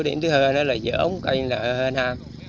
điểm thứ hai là giữa ống cây là hên nam